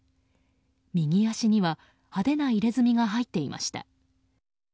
右足には派手な刺青が入っていました。